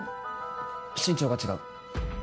身長が違う？